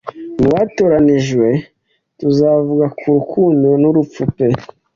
Mu batoranijwe; tuzavuga ku rukundo n'urupfu pe